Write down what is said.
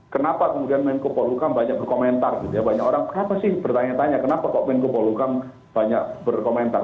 kenapa kemudian menko polhukam banyak berkomentar gitu ya banyak orang kenapa sih bertanya tanya kenapa kok menko polukam banyak berkomentar